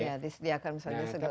ya disediakan misalnya segelas susu